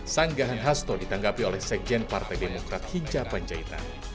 sanggahan hasto ditanggapi oleh sekjen partai demokrat hinca panjaitan